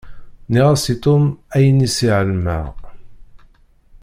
Nniɣ-as i Tom ayen iss i εelmeɣ.